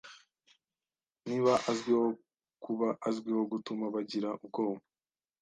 Niba azwiho kuba azwiho gutuma bagira ubwoba